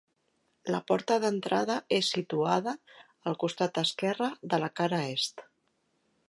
La porta d'entrada és situada al costat esquerre de la cara est.